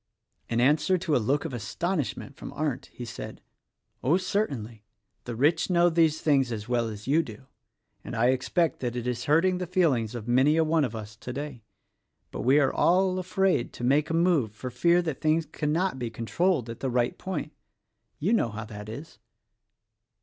'" In answer to a look of astonishment from Arndt he said, "Oh, certainly! the rich know these things as well as you do; and I expect that it is hurting the feelings of many a one of us today; but we are all afraid to make a move for fear that things cannot be controlled at the right point. You know how that is."